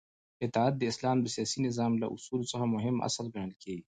اطاعت د اسلام د سیاسی نظام له اصولو څخه مهم اصل ګڼل کیږی